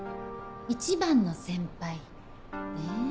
「一番の先輩」ねぇ。